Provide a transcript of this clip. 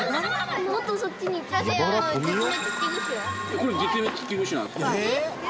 これ絶滅危惧種なんですか？